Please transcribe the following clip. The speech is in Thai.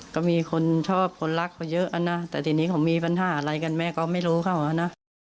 ก็มีคนชอบคนรักเขาเยอะนะแต่ทีนี้เขามีปัญหาอะไรกันแม่ก็ไม่รู้เขานะ